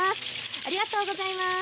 ありがとうございます。